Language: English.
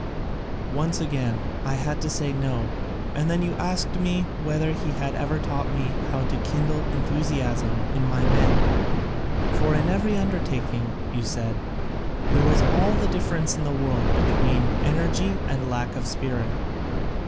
Once again I had to say no and then you asked whether he had ever taught me how to kindle enthusiasm in my men. For in every undertaking, you said, there was all the difference in the world between energy and lack of spirit.